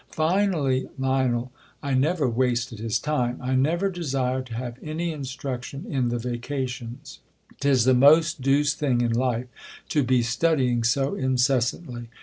Finally Lion, I never wasted his time ! 1 never desired to have any instruction in the vacations. 'Tis the most deuced thing in life to be studying so incessantly.